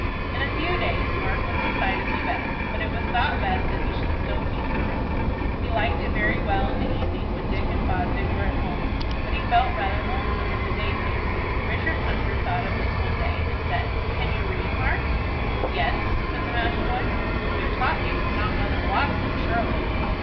In a few days Mark was decidedly better, but it was thought best that he should still keep the room. He liked it very well in the evening when Dick and Fosdick were at home, but he felt rather lonesome in the daytime. Richard Hunter thought of this one day, and said, "Can you read, Mark?" "Yes," said the match boy. "Who taught you? Not Mother Watson, surely."